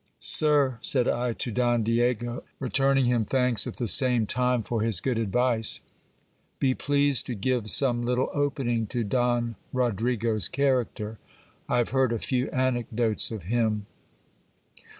Sir, said I to Don Diego, returning him thanks at the same time for his good advice, be pleased to give some little opening to Don Rodrigo's character. I have heard a few anecdotes of him.